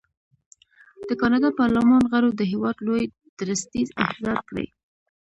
د کاناډا پارلمان غړو د هېواد لوی درستیز احضار کړی.